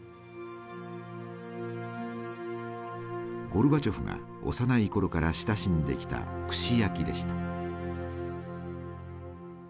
ゴルバチョフが幼い頃から親しんできた串焼きでした。